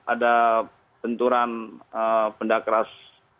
ada benturan benda keras